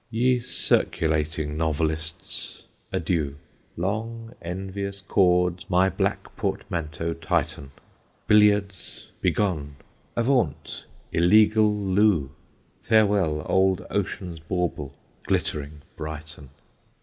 Ye circulating novelists, adieu! Long envious cords my black portmanteau tighten; Billiards, begone! avaunt, illegal loo! Farewell old Ocean's bauble, glittering Brighton.